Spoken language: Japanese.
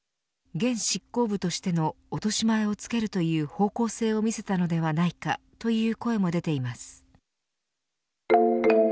現執行部としての落とし前をつけるという方向性を見せたのではないかという声も出ています。